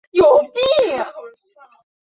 记得注意安全，到了之后给我发个微信。